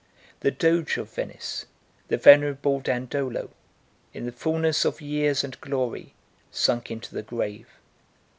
The doge of Venice, the venerable Dandolo, in the fulness of years and glory, sunk into the grave.